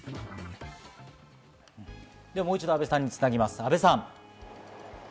阿部さんにつなぎます、阿部さん。